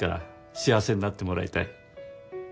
幸せになってもらいたい。